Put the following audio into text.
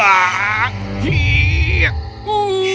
dia menemukan sebuah pintu yang bergerak